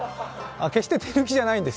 決して手抜きじゃないんです。